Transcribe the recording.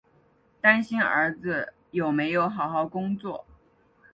担心儿子有没有好好工作